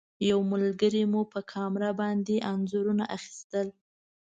یو ملګري مو په کامره باندې انځورونه اخیستل.